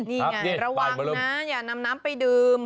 นี่ไงระวังนะอย่านำน้ำไปดื่ม